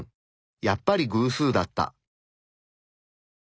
やっぱり偶数だった。